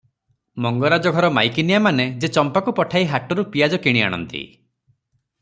ମଙ୍ଗରାଜ ଘର ମାଇକିନିଆମାନେ ଯେ ଚମ୍ପାକୁ ପଠାଇ ହାଟରୁ ପିଆଜ କିଣି ଆଣନ୍ତି!